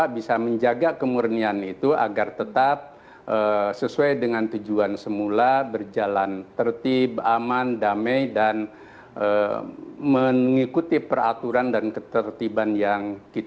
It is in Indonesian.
bersama bapak bapak sekalian